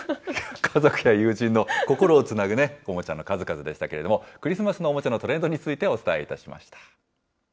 家族や友人の心をつなぐおもちゃの数々でしたけれども、クリスマスのおもちゃのトレンドについて、お伝えいたしました。